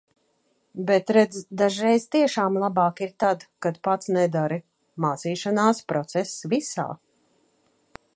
Bet redz, dažreiz tiešām labāk ir tad, kad pats nedari. Mācīšanās process visā.